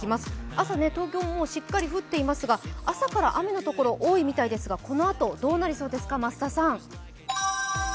朝、東京もうしっかり降っていますが、朝から雨のところ多いみたいですがこのあと、どうなりそうですか増田さん。